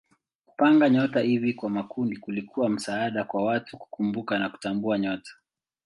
Kupanga nyota hivi kwa makundi kulikuwa msaada kwa watu kukumbuka na kutambua nyota.